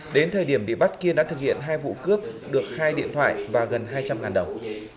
đến thời điểm bị bắt kiên đã thực hiện hai vụ cướp được hai điện thoại và gần hai trăm linh đồng